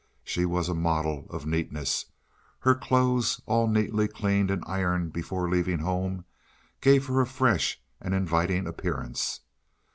She was a model of neatness. Her clothes, all newly cleaned and ironed before leaving home, gave her a fresh and inviting appearance.